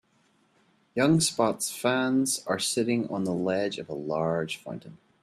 Young spots fans are sitting on the ledge of a large fountain.